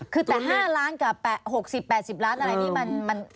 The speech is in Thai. คือแต่๕ล้านกับ๖๐๘๐ล้านอะไรนี่